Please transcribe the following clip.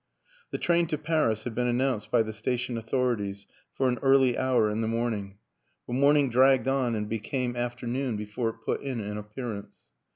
The train to Paris had been announced by the station authorities for an early hour in the morn ing, but morning dragged on and became after 181 182 WILLIAM AN ENGLISHMAN noon before it put in an appearance.